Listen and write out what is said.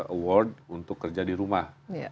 award untuk kerja di rumah